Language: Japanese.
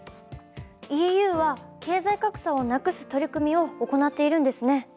ＥＵは経済格差をなくす取り組みを行っているんですね。